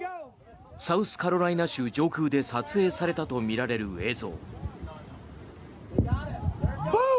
サウスカロライナ州上空で撮影されたとみられる映像。